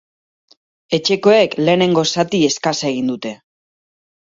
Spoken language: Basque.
Etxekoek lehenengo zati eskasa egin dute.